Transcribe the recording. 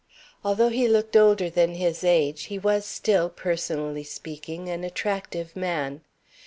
Although he looked older than his age, he was still, personally speaking, an attractive man.